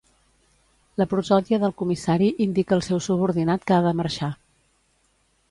La prosòdia del comissari indica el seu subordinat que ha de marxar.